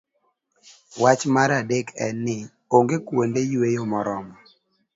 Wach mar adek en ni, onge kuonde yweyo moromo.